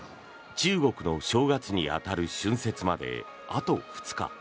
中国の正月に当たる春節まであと２日。